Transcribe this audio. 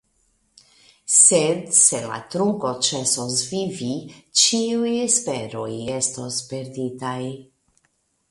Sed se la trunko ĉesos vivi, ĉiuj esperoj estos perditaj.